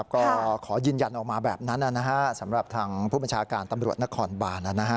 ก็ขอยืนยันออกมาแบบนั้นสำหรับทางผู้บัญชาการตำรวจนครบาน